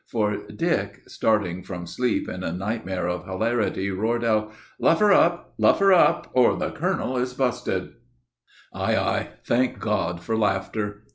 For Dick, starting from sleep in a nightmare of hilarity, roared out: "Luff her up, luff her up, or the colonel is busted!" Ay, ay, thank God for laughter.